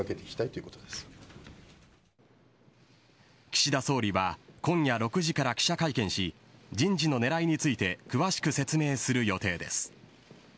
岸田総理は今夜６時から記者会見し人事の狙いについて詳しく説明する予定です。